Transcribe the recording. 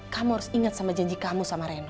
kamu harus ingat sama janji kamu sama rena